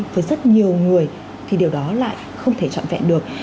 với rất nhiều người thì điều đó lại không thể trọn vẹn được